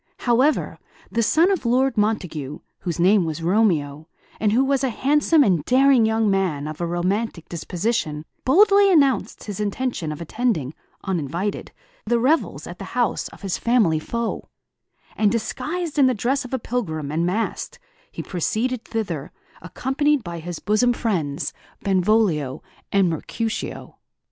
However, the son of Lord Montague, whose name was Romeo, and who was a handsome and daring young man of a romantic disposition, boldly announced his intention of attending, uninvited, the revels at the house of his family foe; and, disguised in the dress of a pilgrim, and masked, he proceeded thither, accompanied by his bosom friends, Benvolio and Mercutio.